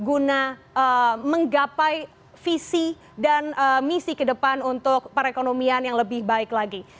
guna menggapai visi dan misi ke depan untuk perekonomian yang lebih baik lagi